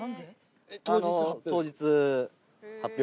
当日発表？